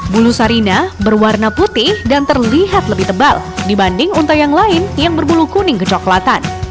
bulu sarina berwarna putih dan terlihat lebih tebal dibanding unta yang lain yang berbulu kuning kecoklatan